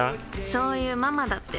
そういうママだって。